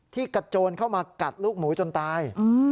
กระโจนเข้ามากัดลูกหมูจนตาย